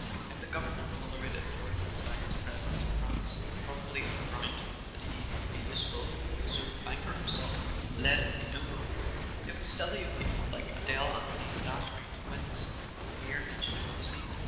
If the government tolerated Jor¬ genstein's presence in France, probably on the ground that he could be useful—so the banker himself let it be known—it was silly of people like Adele Anthony and Dastrey to wince at the mere mention of his name.